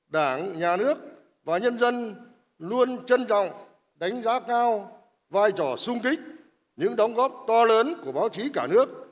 đảng nhà nước và nhân dân luôn trân trọng đánh giá cao vai trò sung kích những đóng góp to lớn của báo chí cả nước